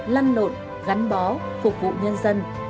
lăn nộn gắn bó phục vụ nhân dân